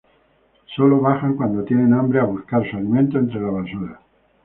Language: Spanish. Sólo bajan cuando tienen hambre a buscar su alimento entre la basura.